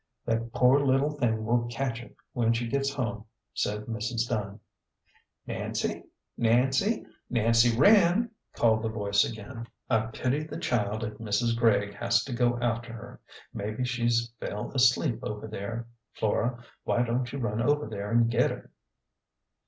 " That poor little thing will catch it when she gets home," said Mrs. Dunn. A GENTLE GHOST. 245 " Nancy ! Nancy ! Nancy Wren !" called the voice again. "I pity the child if Mrs. Gregg has to go after her. Mebbe she's fell asleep over there. Flora, why don't you run over there an' get her